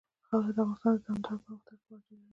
خاوره د افغانستان د دوامداره پرمختګ لپاره ډېر اړین دي.